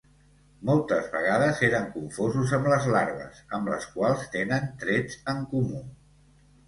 Moltes vegades eren confosos amb les Larves, amb les quals tenen trets en comú.